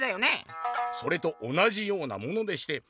「それと同じようなものでして」。